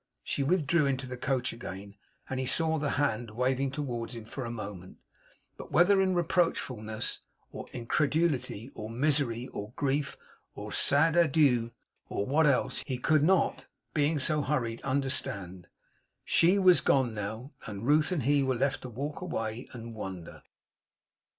She withdrew into the coach again, and he saw the hand waving towards him for a moment; but whether in reproachfulness or incredulity or misery, or grief, or sad adieu, or what else, he could not, being so hurried, understand. SHE was gone now; and Ruth and he were left to walk away, and wonder.